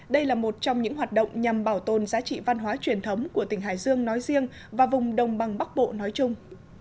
đây là một trong những hoạt động nhằm bảo tồn giá trị văn hóa truyền thống của tỉnh hải dương nói riêng và vùng đồng bằng bắc bộ nói chung